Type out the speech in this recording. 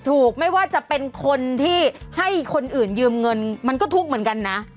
ไม่ว่าจะเป็นคนที่ให้คนอื่นยืมเงินมันก็ทุกข์เหมือนกันนะ